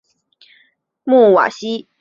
穆瓦西。